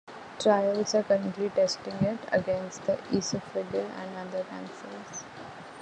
Trials are currently testing it against esophageal and other cancers.